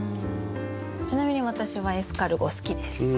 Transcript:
ちなみに私はエスカルゴ好きです。